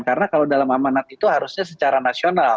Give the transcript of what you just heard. karena kalau dalam amanat itu harusnya secara nasional